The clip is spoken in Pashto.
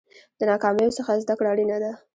د ناکامیو څخه زده کړه اړینه ده.